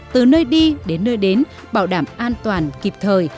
từ nơi đi đến nơi đến bảo đảm an toàn kịp thời